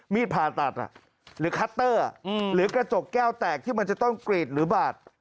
ผ่าตัดหรือคัตเตอร์หรือกระจกแก้วแตกที่มันจะต้องกรีดหรือบาด